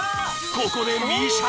ここです